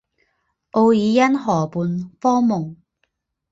奥尔恩河畔科蒙。